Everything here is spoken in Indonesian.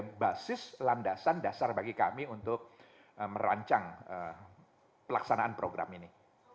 ini basis landasan dasar bagi kami untuk merancang pelaksanaan program ini